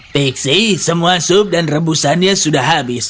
pixie semua sup dan rebusannya sudah habis